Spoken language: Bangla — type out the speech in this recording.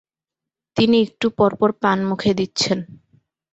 তিনি একটু পরপর পান মুখে দিচ্ছেন।